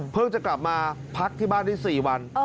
จะกลับมาพักที่บ้านได้๔วัน